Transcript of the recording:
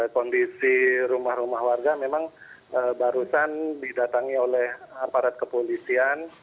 kondisi rumah rumah warga memang barusan didatangi oleh aparat kepolisian